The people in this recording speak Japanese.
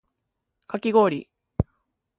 かきごおり